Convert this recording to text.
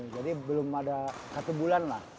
jadi belum ada satu bulan mas